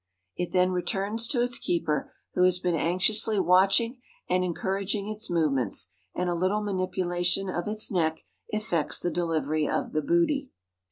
It then returns to its keeper, who has been anxiously watching and encouraging its movements, and a little manipulation of its neck effects the delivery of the booty."